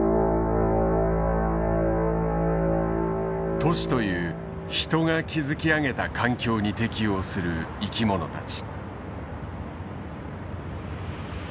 「都市」という人が築き上げた環境に適応する生き物たち。